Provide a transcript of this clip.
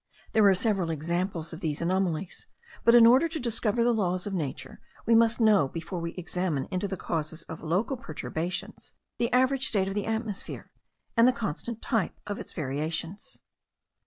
There are several examples of these anomalies; but, in order to discover the laws of nature, we must know, before we examine into the causes of local perturbations, the average state of the atmosphere, and the constant type of its variations.